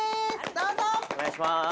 どうぞ！